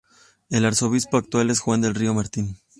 El arzobispo actual es Juan del Río Martín.